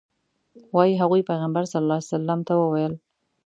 وایي هغوی پیغمبر صلی الله علیه وسلم ته وویل.